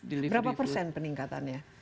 delivery food berapa persen peningkatannya